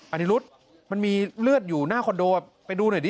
อันนี้รุษมันมีเลือดอยู่หน้าคอนโดไปดูหน่อยดิ